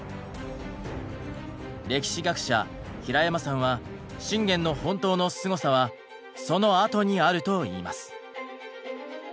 歴史学者平山さんは信玄の本当のすごさはそのあとにあると言います。